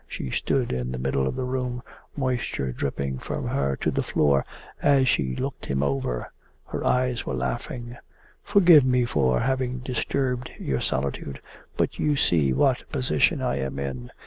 She stood in the middle of the room, moisture dripping from her to the floor as she looked him over. Her eyes were laughing. 'Forgive me for having disturbed your solitude. But you see what a position I am in.